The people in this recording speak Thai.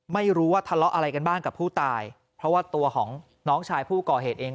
ไม่รู้ว่าทะเลาะอะไรกันบ้างกับผู้ตายเพราะว่าตัวของน้องชายผู้ก่อเหตุเอง